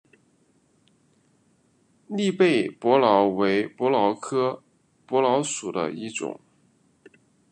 栗背伯劳为伯劳科伯劳属的一种。